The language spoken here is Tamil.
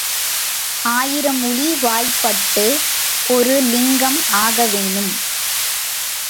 ஆயிரம் உளி வாய்ப்பட்டு ஒரு லிங்கம் ஆக வேணும்.